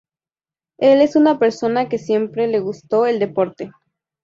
Él es una persona que siempre le gusto el deporte.